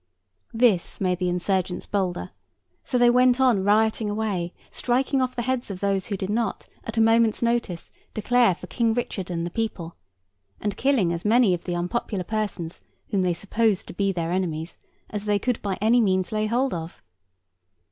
This made the insurgents bolder; so they went on rioting away, striking off the heads of those who did not, at a moment's notice, declare for King Richard and the people; and killing as many of the unpopular persons whom they supposed to be their enemies as they could by any means lay hold of.